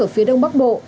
ở phía đông bắc bộ